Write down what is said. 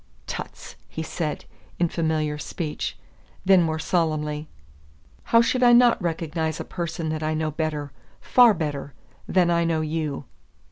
"Tuts!" he said, in familiar speech; then more solemnly, "How should I not recognize a person that I know better far better than I know you?"